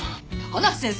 高梨先生